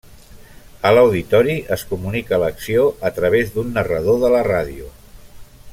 A l'auditori es comunica l'acció a través d'un narrador de la ràdio.